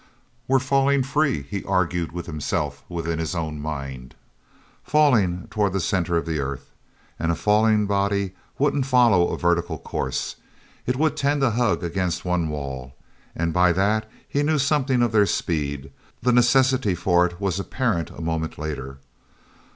"We're falling free," he argued within his own mind, "falling toward the center of the earth. And a falling body wouldn't follow a vertical course. It would tend to hug against one wall." And by that he knew something of their speed. The necessity for it was apparent a moment later.